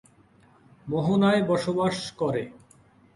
মােহনায় বসবাস করে।